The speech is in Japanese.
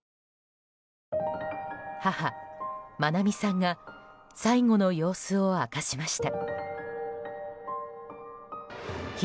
母・まなみさんが最後の様子を明かしました。